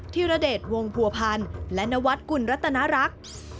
ธิรเดชวงผัวพันธ์และนวัดกุลรัตนรักษ์